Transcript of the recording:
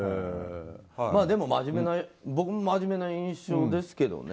でも僕も真面目な印象ですけどね。